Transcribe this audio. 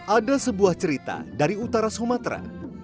ada sebuah cerita dari utara sumatera